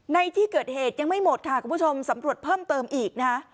ในที่เกิดเหตุยังไม่หมดค่ะคุณผู้ชมสำรวจเพิ่มเติมอีกนะฮะ